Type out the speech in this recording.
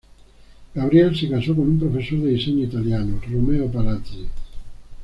Gabrielle se casó con un profesor de diseño italiano, Romeo Palazzi.